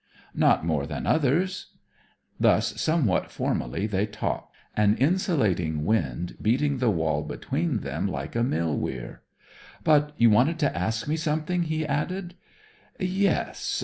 'Not more than others.' Thus somewhat formally they talked, an insulating wind beating the wall between them like a mill weir. 'But you wanted to ask me something?' he added. 'Yes.